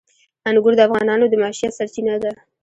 انګور د افغانانو د معیشت سرچینه ده.